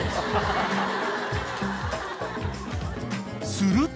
［すると］